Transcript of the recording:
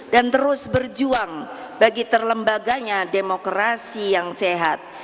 dan terus berjuang bagi terlembaganya demokrasi yang sehat